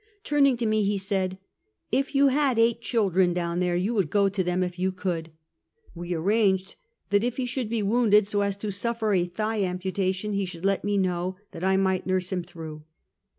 Turning to me he said: " If you had eight children down there, you would go to them, if you could!" We arranged that if he should be wounded so as to suffer a thigh amputation, he should let me know, that I might nurse him through.